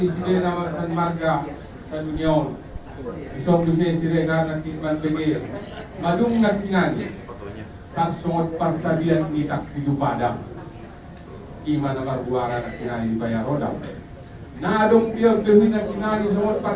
silakan gunakan tanda tanda yang ada di dalam video ini